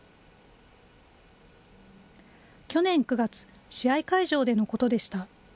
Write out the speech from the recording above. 去年９月、試合会場でのことでした。